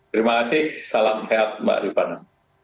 terima kasih salam sehat mbak rifana